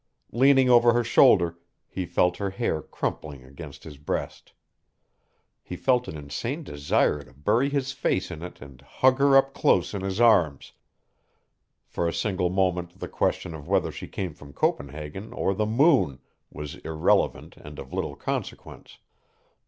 Leaning over her shoulder, he felt her hair crumpling against his breast. He felt an insane desire to bury his face in it and hug her up close in his arms for a single moment the question of whether she came from Copenhagen or the moon was irrelevant and of little consequence.